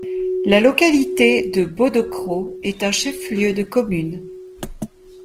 La localité de Bodokro est un chef-lieu de commune.